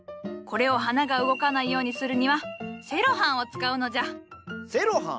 これを花が動かないようにするにはセロハンを使うのじゃ。